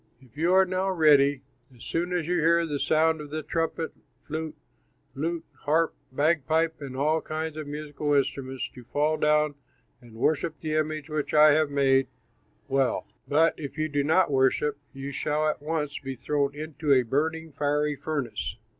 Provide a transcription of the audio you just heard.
If you are now ready, as soon as you hear the sound of the trumpet, flute, lute, harp, bagpipe, and all kinds of musical instruments, to fall down and worship the image which I have made, well; but if you do not worship, you shall at once be thrown into a burning, fiery furnace.